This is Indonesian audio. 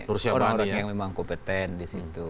orang orang yang memang kompeten disitu